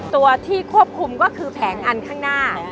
ตัวที่ควบคุมก็คือแผงอันข้างหน้า